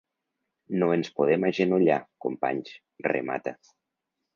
No ens podem agenollar, companys, remata.